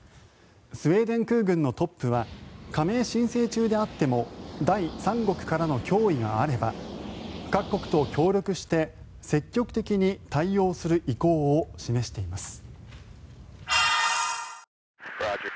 スウェーデン空軍のトップは加盟申請中であっても第三国からの脅威があれば各国と協力して積極的に対応する意向を示しています。